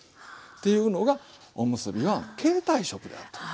というのがおむすびは携帯食であると。